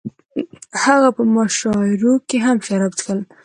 هغه په مشاعرو کې هم شراب څښل